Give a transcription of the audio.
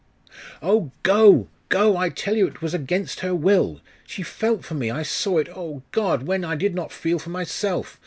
'Oh, go! go! I tell you it was against her will. She felt for me I saw it Oh, God! when I did not feel for myself!